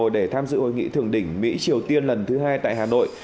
để tham dự hội nghị thượng đỉnh mỹ triều tiên lần thứ hai tại hà nội